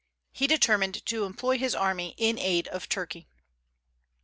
He determined to employ his army in aid of Turkey.